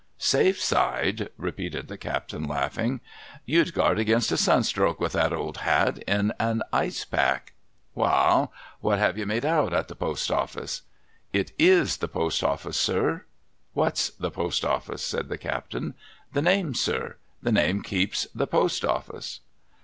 ' vSafe side !' repeated the captain, laughing. ' You'd guard against a sun stroke, with that old hat, in an Ice Pack. ■\^'a'aI ! What have you made out at the Post office ?'' It is the Post office, sir.' ' What's the Post office ?' said the captain. ' The name, sir. The name keeps the Post office.'